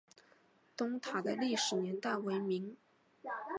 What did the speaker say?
东塔的历史年代为明。